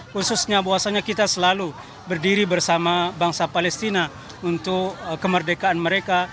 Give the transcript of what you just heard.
khususnya bahwasannya kita selalu berdiri bersama bangsa palestina untuk kemerdekaan mereka